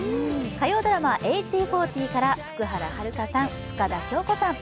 火曜ドラマ「１８／４０」から福原遥さん、深田恭子さん。